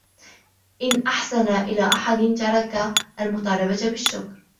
إنْ أَحْسَنَ إلَى أَحَدٍ تَرَكَ الْمُطَالَبَةَ بِالشُّكْرِ